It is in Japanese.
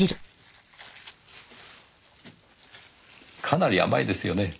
かなり甘いですよね。